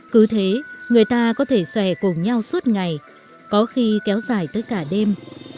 cứ thế người ta có thể xòe cùng nhau suốt ngày có khi kéo dài tới cả đêm